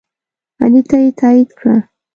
علي ته یې تایید کړه.